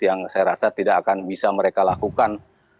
yang saya rasa tidak akan bisa mereka lakukan